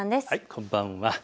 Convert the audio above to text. こんばんは。